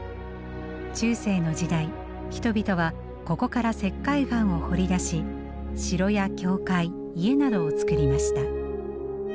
中世の時代人々はここから石灰岩を掘り出し城や教会家などを造りました。